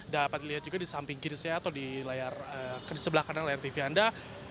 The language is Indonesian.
dapat dilihat juga di samping kiri saya atau di sebelah kanan layar tv anda